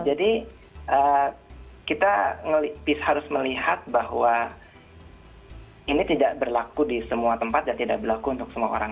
jadi kita harus melihat bahwa ini tidak berlaku di semua tempat dan tidak berlaku untuk semua orang